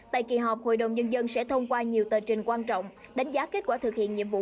tại kỳ họp hội đồng nhân dân sẽ thông qua nhiều tờ trình quan trọng đánh giá kết quả thực hiện nhiệm vụ